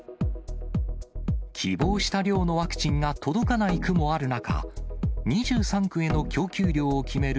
希望した量のワクチンが届かない区もある中、２３区への供給量を決める